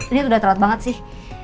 ini udah terat banget sih